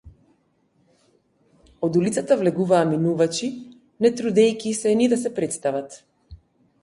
Од улицата влегуваа минувачи, не трудејќи се ни да се претстават.